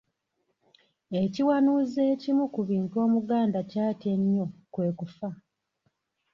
Ekiwanuuzo ekimu ku bintu Omuganda kyatya ennyo kwe kufa.